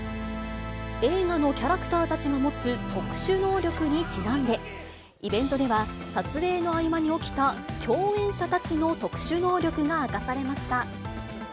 映画のキャラクターたちが持つ特殊能力にちなんで、イベントでは、撮影の合間に起きた共演者たちの特殊能力が明かされました。